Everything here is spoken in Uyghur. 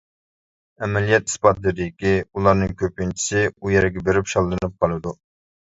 ئەمەلىيەت ئىسپاتلىدىكى ئۇلارنىڭ كۆپىنچىسى ئۇ يەرگە بېرىپ شاللىنىپ قالىدۇ!